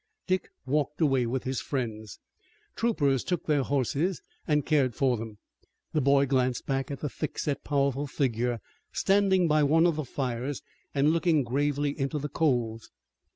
Dick walked away with his friends. Troopers took their horses and cared for them. The boy glanced back at the thickset, powerful figure, standing by one of the fires and looking gravely into the coals.